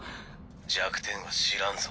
弱点は知らんぞ。